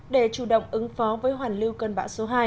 để chủ động ứng phó với hoàn lưu cơn bão số hai